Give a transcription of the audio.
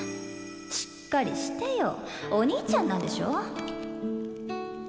しっかりしてよお兄ちゃんなんでしょ。